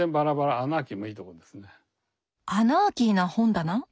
アナーキーな本棚⁉